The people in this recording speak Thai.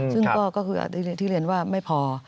ซึ่งก็คือทิเรียนไม่พอ